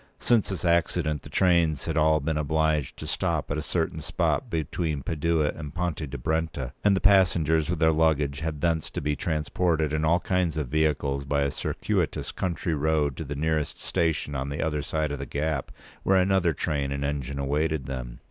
Since this accident, the trains had all been obliged to stop at a certain spot between Padua and Ponte di Brenta, and the passengers, with their luggage, had thence to be transported in all kinds of vehicles, by a circuitous country road, to the nearest station on the other side of the gap, where another train and engine awaited them.